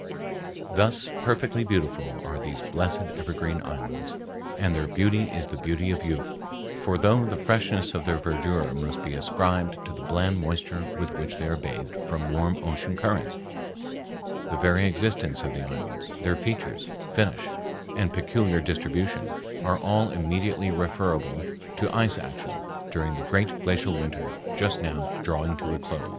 Thus perfectly beautiful are these blessed evergreen islands, and their beauty is the beauty of youth, for though the freshness of their verdure must be ascribed to the bland moisture with which they are bathed from warm ocean currents, the very existence of the islands, their features, finish, and peculiar distribution, are all immediately referable to ice action during the great glacial winter just now drawing to a close.